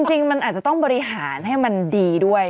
จริงมันอาจจะต้องบริหารให้มันดีด้วย